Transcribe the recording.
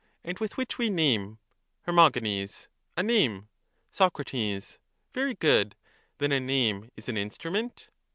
And with which we name? Her. A name. Soc. Very good: then a name is an instrument?